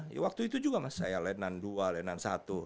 ya waktu itu juga mas saya latihan dua latihan satu